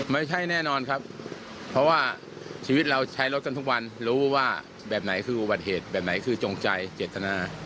ไม่ใช่แน่นอนครับเพราะว่าชีวิตเราใช้รถกันทุกวันรู้ว่าแบบไหนคืออุบัติเหตุแบบไหนคือจงใจเจตนา